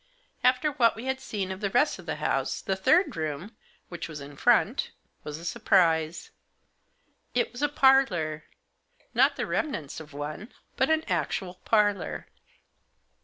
After what we had seen of the rest of the house, the third room, which was in front, was a surprise. It was a parlour ; not the remnants of one, but an actual parlour.